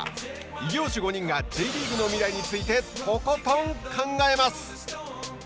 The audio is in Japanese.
異業種５人がＪリーグの未来についてとことん考えます。